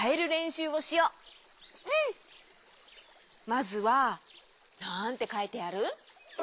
まずはなんてかいてある？